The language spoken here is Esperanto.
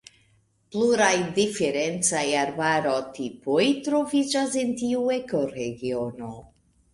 Pluraj diferencaj arbaro-tipoj troviĝas en tiu ekoregiono.